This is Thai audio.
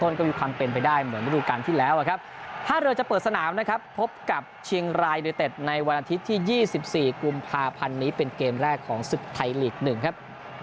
สุดท้ายฤทธิ์หนึ่งครับ